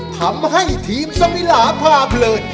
ทำให้ทีมสมิลาพาเพลิน